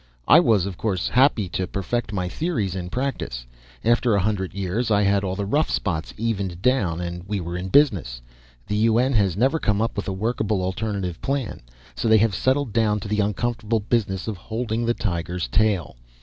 I was, of course, happy to perfect my theories in practice. After a hundred years I had all the rough spots evened down and we were in business. The UN has never come up with a workable alternative plan, so they have settled down to the uncomfortable business of holding the tiger's tail.